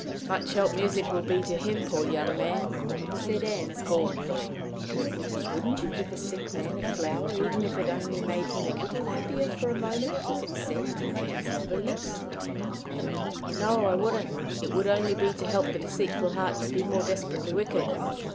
"Much help music will be to him, poor young man!" said Ann, scornfully. "Wouldn't you give a sick man a flower, even if it only made him a little happier for a moment with its scent and its loveliness?" asked Mary. "No, I wouldn't. It would only be to help the deceitful heart to be more desperately wicked."